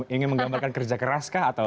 ingin menggambarkan kerja keras kah atau